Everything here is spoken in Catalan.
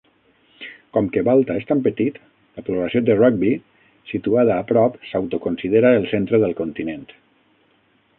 Com que Balta és tan petit, la població de Rugby, situada a prop, s'autoconsidera el centre del continent.